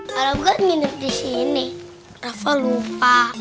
kalau gue minum disini rafa lupa